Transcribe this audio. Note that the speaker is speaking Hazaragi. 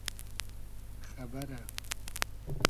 خئبئرۂ